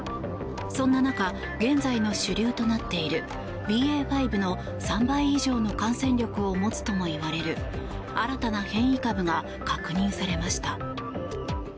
そんな中現在の主流となっているＢＡ．５の３倍以上の感染力を持つともいわれる新たな変異株が確認されました。